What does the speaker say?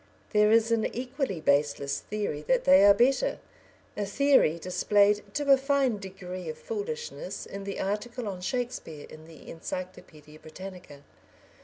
There is an equally baseless theory that they are better, a theory displayed to a fine degree of foolishness in the article on Shakespeare in the Encyclopaedia Britannica.